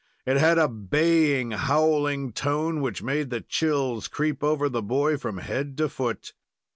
It had a baying, howling tone, which made the chills creep over the boy from head to foot.